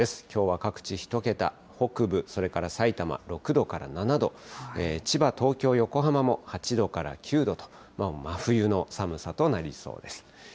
きょうは各地１桁、北部、それからさいたま、６度から７度、千葉、東京、横浜も８度から９度と、真冬の寒さとなりそうです。